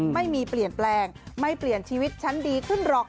ไม่มีเปลี่ยนแปลงไม่เปลี่ยนชีวิตฉันดีขึ้นหรอก